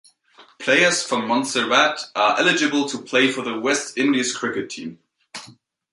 Players from Montserrat are eligible to play for the West Indies cricket team.